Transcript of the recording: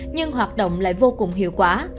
nhưng hoạt động lại vô cùng hiệu quả